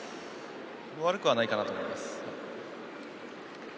悪くはないかなと思います。